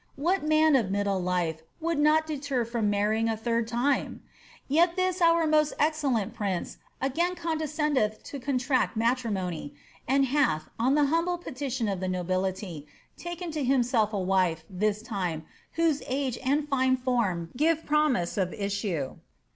What man of middle Ufe would not this deter from marrying a third time ? Tet this our most excellent prince again coodcscendeth to contract matrimony ! and hath, on the humble petition of the nobility, taken to himself a wife, this time, whose age and fine (oral give promtse of issue."